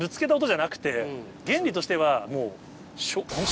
原理としてはもう。